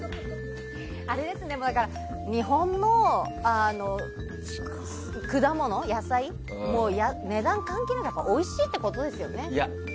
だから、日本の果物、野菜は値段関係なくおいしいってことですよね。